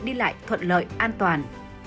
đi lại thuận lợi an toàn